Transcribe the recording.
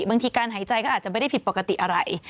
บางทีการหายใจก็อาจจะไม่ได้ผิดปกติอะไร